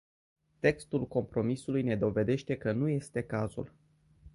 Textul compromisului ne dovedește că nu este cazul.